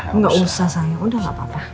enggak usah saya udah gak apa apa